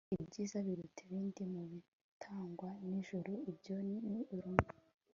ibyiza biruta ibindi mu bitangwa n'ijuru, ibyo ni urume